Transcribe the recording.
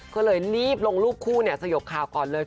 ก็เลยรีบลงรูปคู่สยบข่าวก่อนเลย